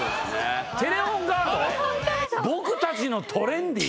「ぼくたちのトレンディー」